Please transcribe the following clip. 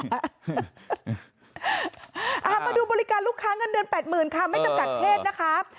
เอามาดูบริการลูกค้าเงินเดือน๘๐๐๐ค่ะไม่จำกัดเพศนะคะ